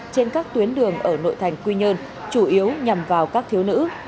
trên các tuyến đường ở nội thành quy nhơn chủ yếu nhằm vào các thiếu nữ